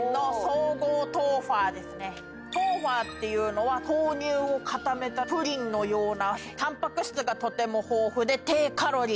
豆花っていうのは豆乳を固めたプリンのようなタンパク質がとても豊富で低カロリー。